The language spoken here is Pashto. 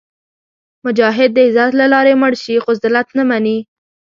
مجاهد د عزت له لارې مړ شي، خو ذلت نه مني.